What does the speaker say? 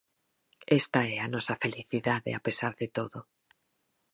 Esta é a nosa felicidade a pesar de todo.